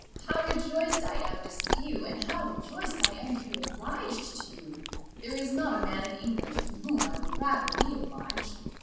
How rejoiced I am to see you, and how rejoiced I am to be obliged to you! There is not a man in England to whom I would rather be obliged."